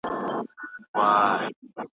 د خپلي نوې دندې لپاره یو پلان جوړ کړئ.